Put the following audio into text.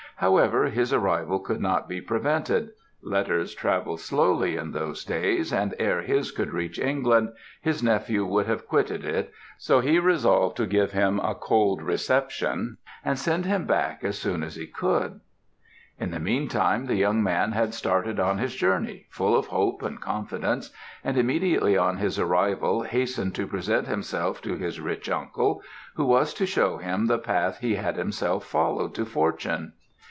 However, his arrival could not be prevented; letters travelled slowly in those days, and ere his could reach England his nephew would have quitted it, so he resolved to give him a cold reception and send him back as soon as he could. "In the mean time, the young man had started on his journey, full of hope and confidence, and immediately on his arrival hastened to present himself to this rich uncle who was to shew him the path he had himself followed to fortune.